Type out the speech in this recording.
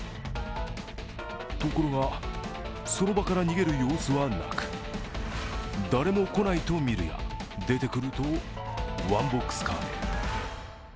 ところが、その場から逃げる様子はなく誰も来ないとみるや、出てくるとワンボックスカーへ。